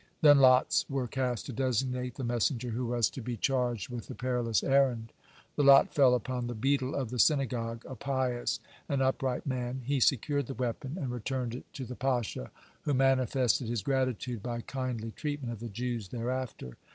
Then lots were cast to designate the messenger who was to be charged with the perilous errand. The lot fell upon the beadle of the synagogue, a pious and upright man. He secured the weapon, and returned it to the pasha, who manifested his gratitude by kindly treatment of the Jews thereafter.